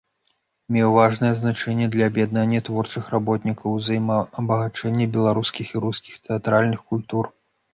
Меў важнае значэнне для аб'яднання творчых работнікаў, узаемаабагачэння беларускіх і рускіх тэатральных культур.